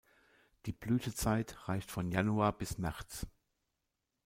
Die Blütezeit reicht von Januar bis März.